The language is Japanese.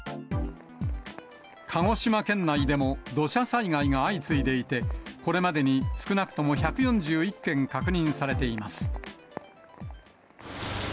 鹿児島県内でも土砂災害が相次いでいて、これまでに少なくとも１４１件確認されています。